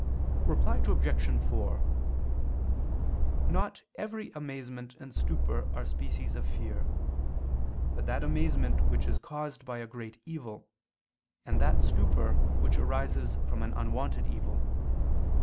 Reply Obj. 4: Not every amazement and stupor are species of fear, but that amazement which is caused by a great evil, and that stupor which arises from an unwonted evil.